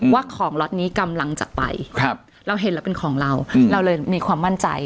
ว่าของล็อตนี้กำลังจะไปเราเห็นแล้วเป็นของเราเราเลยมีความมั่นใจ